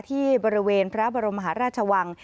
ที่บริเวณพระบรมหาราชวัง